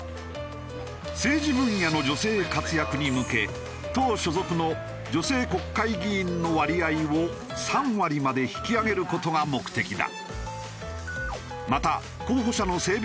政治分野の女性活躍に向け党所属の女性国会議員の割合を３割まで引き上げる事が目的だ。